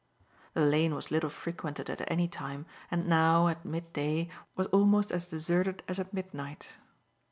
The lane was little frequented at any time and now, at mid day, was almost as deserted as at midnight.